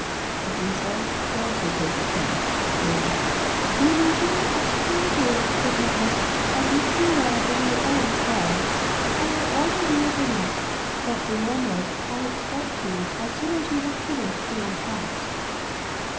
The princess granted his request, saying, "You may be as free here, good mother, as if you were in your own cell: I will order you a dinner, but remember I expect you as soon as you have finished your repast."